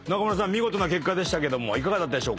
見事な結果でしたけどもいかがだったでしょうか？